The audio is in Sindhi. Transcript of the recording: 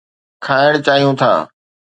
کائڻ چاهيو ٿا؟